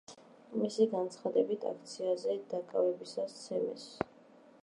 მისი განცხადებით, აქციაზე დაკავებისას სცემეს.